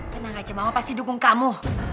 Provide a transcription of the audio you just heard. tenang aja bapak pasti dukung kamu